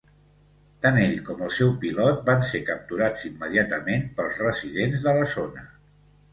Tant ell com el seu pilot van ser capturats immediatament pels residents de la zona.